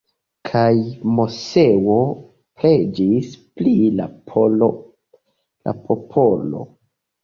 Kaj Moseo preĝis pri la popolo.